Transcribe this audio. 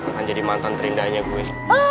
akan jadi mantan terindahnya gue